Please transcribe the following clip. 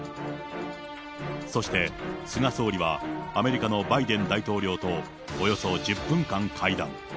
そして菅総理は、アメリカのバイデン大統領とおよそ１０分間会談。